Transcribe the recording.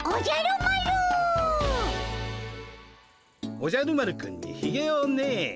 おじゃる丸くんにひげをね。